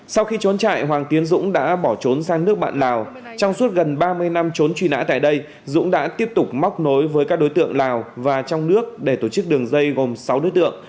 sau khi trốn trại hoàng tiến dũng đã bỏ trốn sang nước bạn lào trong suốt gần ba mươi năm trốn truy nã tại đây dũng đã tiếp tục móc nối với các đối tượng lào và trong nước để tổ chức đường dây gồm sáu đối tượng